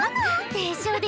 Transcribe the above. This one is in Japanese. でしょ？